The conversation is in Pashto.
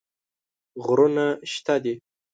غرونه شته دي.